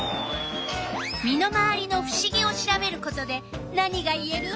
身の回りのふしぎを調べることで何がいえる？